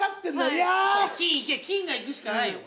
金がいくしかないよ